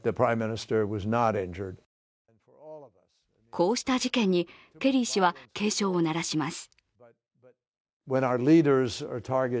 こうした事件にケリー氏は警鐘を鳴らします。